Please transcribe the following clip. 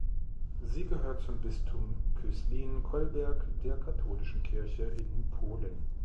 Sie gehört zum Bistum Köslin-Kolberg der Katholischen Kirche in Polen.